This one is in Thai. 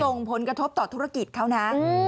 ส่งผลกระทบต่อธุรกิจเขานะ